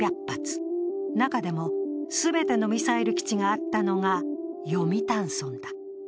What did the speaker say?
中でも全てのミサイル基地があったのが読谷村だ。